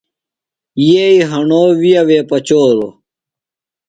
یئیی ہݨو وِیہ وے پچولوۡ۔